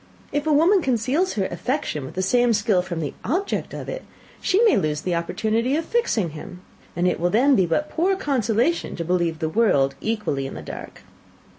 If a woman conceals her affection with the same skill from the object of it, she may lose the opportunity of fixing him; and it will then be but poor consolation to believe the world equally in the dark.